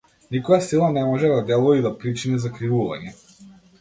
Никоја сила не може да делува и да причини закривување.